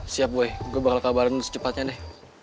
siap boy gue bakal kabarin lo secepatnya deh